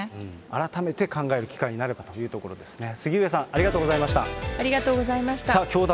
改めて考える機会になればというところですね。